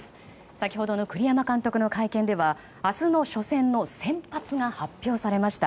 先ほどの栗山監督の会見では明日の初戦の先発が発表されました。